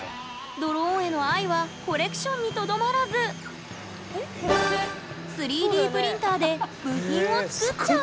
ドローンへの愛はコレクションにとどまらずで部品を作っちゃう！